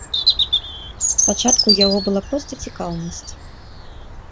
Спачатку ў яго была проста цікаўнасць.